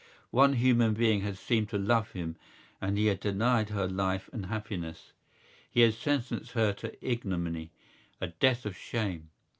One human being had seemed to love him and he had denied her life and happiness: he had sentenced her to ignominy, a death of shame.